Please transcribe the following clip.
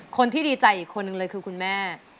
คนที่ดีใจอีกคนนึงเลยคือคุณแม่